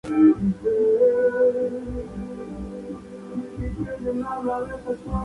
Fue Primera bailarina invitada en Lima-Perú y en La Plata.